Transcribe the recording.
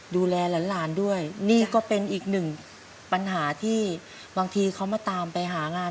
ดูแลหลานด้วยนี่ก็เป็นอีกหนึ่งปัญหาที่บางทีเขามาตามไปหางาน